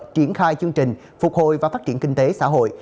triển khai chương trình phục hồi và phát triển kinh tế xã hội